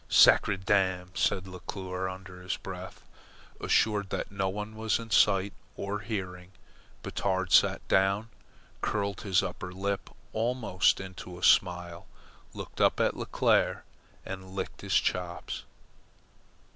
"Sacredam," said Leclere under his breath. Assured that no one was in sight or hearing, Batard sat down, curled his upper lip almost into a smile, looked up at Leclere, and licked his chops.